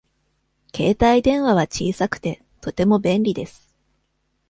携帯電話は小さくて、とても便利です。